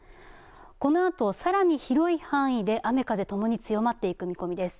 このあと、さらに広い範囲で雨風ともに強まっていく見込みです。